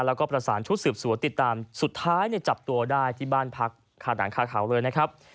แล้วก็ประสานชุดสืบสวนติดตามสุดท้ายจับตัวได้ที่บ้านพักคาหนังคาเขาเลยนะครับ